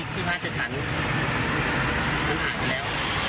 แต่มันกลับตังค์เราไปเลย